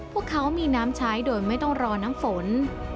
พวกเขามีน้ำใช้โดยไม่ต้องรอน้ำฝน